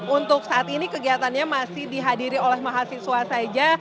untuk saat ini kegiatannya masih dihadiri oleh mahasiswa saja